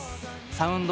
サウンド。